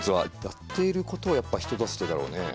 やっていることはやっぱ人助けだろうね。